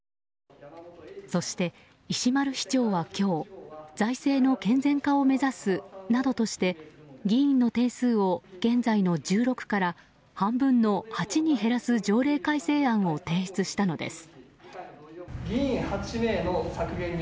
そして、石丸市長は今日財政の健全化を目指すなどとして議員の定数を現在の１６から半分の８に減らす条例改正案を提出したのです。